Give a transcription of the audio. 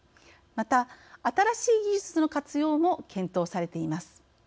また新しい技術の活用も検討されています。